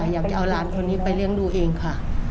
อยากจะเอาหลานคนนี้ไปเลี้ยงดูเองค่ะ